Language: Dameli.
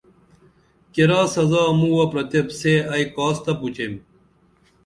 کیرا سزا مُوہ پرتیپ سے ائی کاس تہ پُچیم